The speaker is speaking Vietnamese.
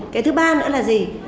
cái thứ ba nữa là gì